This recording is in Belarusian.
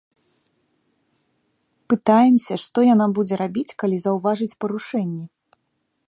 Пытаемся, што яна будзе рабіць, калі заўважыць парушэнні?